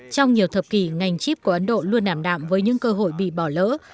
trong nhiều thập kỷ ngành chip của ấn độ luôn đảm đạm với những cơ hội bị bỏ lỡ